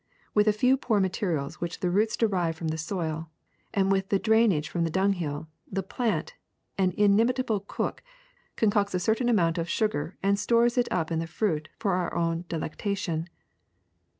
With a few poor materials which the roots derive from the soil, and with the drainage from the dunghill, the plant, an inimitable cook, concocts a certain amount of sugar and stores it up in the fruit for our delectation.